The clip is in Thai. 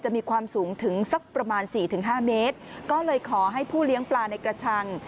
มีความสูงถึงสักประมาณสี่ถึงห้าเมตรก็เลยขอให้ผู้เลี้ยงปลาในกระชัง